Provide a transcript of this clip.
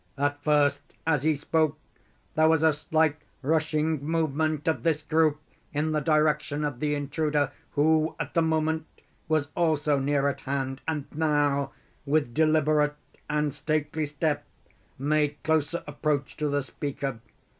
At first, as he spoke, there was a slight rushing movement of this group in the direction of the intruder, who at the moment was also near at hand, and now, with deliberate and stately step, made closer approach to the speaker.